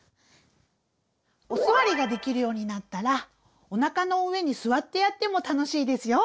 お座りができるようになったらおなかの上に座ってやっても楽しいですよ。